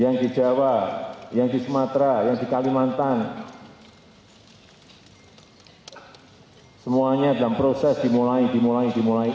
yang di jawa yang di sumatera yang di kalimantan semuanya dalam proses dimulai dimulai dimulai